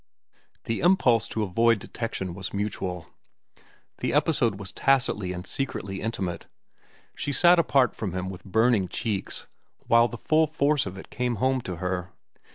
The impulse to avoid detection was mutual. The episode was tacitly and secretly intimate. She sat apart from him with burning cheeks, while the full force of it came home to her.